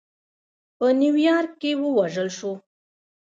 په نیویارک کې ووژل شو.